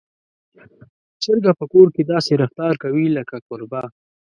چرګه په کور کې داسې رفتار کوي لکه کوربه.